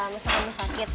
masih kamu sakit